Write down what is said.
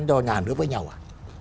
cho nhà nước với nhau à